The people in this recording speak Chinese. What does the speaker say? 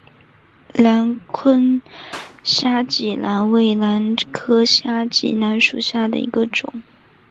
南昆虾脊兰为兰科虾脊兰属下的一个种。